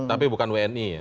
tapi bukan wni ya